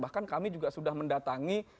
bahkan kami juga sudah mendatangi